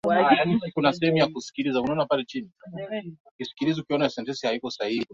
Anania Damascus Syria ni kati ya zile za kwanza kutumika kwa ibada